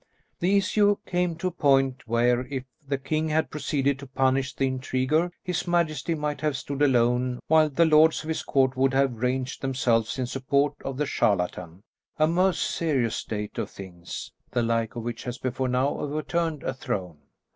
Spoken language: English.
The issue came to a point where, if the king had proceeded to punish the intriguer, his majesty might have stood alone while the lords of his court would have ranged themselves in support of the charlatan a most serious state of things, the like of which has before now overturned a throne.